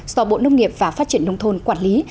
do bộ nông nghiệp và phát triển nông thôn quản lý